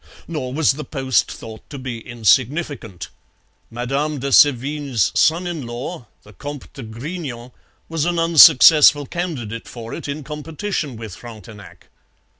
Nor was the post thought to be insignificant. Madame de Sevigne's son in law, the Comte de Grignan, was an unsuccessful candidate for it in competition with Frontenac.